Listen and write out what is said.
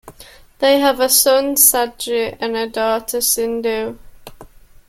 They have a son Saji and a daughter Sindhu.